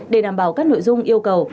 để đảm bảo các nội dung yêu cầu